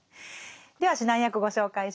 では指南役ご紹介します。